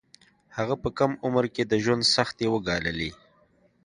هغه په کم عمر کې د ژوند سختۍ وګاللې